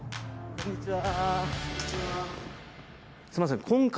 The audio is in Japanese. こんにちは。